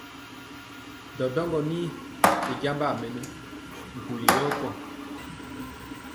Ɗɔɗɔŋgɔ ni i jambaa mɛnɔ nkuli yɔ kwaŋ.